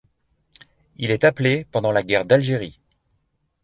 Il est appelé pendant la guerre d'Algérie.